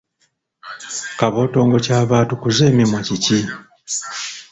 Kabootongo, Kyava atukuza emimwa kiki?